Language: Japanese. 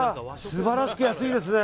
素晴らしく安いですね。